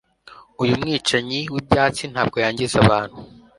Uyu mwicanyi wibyatsi ntabwo yangiza abantu